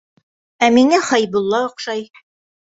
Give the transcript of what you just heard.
Ә миңә Хәйбулла оҡшай.